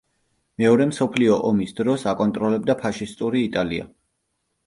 მეორე მსოფლიო ომის დროს აკონტროლებდა ფაშისტური იტალია.